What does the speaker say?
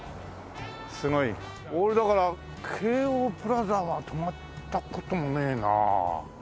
俺だから京王プラザは泊まった事もねえな。